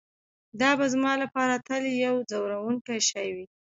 دا به زما لپاره تل یو ځورونکی شی وي